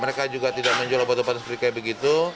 mereka juga tidak menjual obat obatan seperti itu